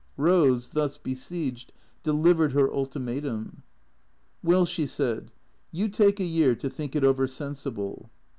Eose, thus besieged, delivered her ultimatum. " Well," she said, " you take a year to think it over sensible."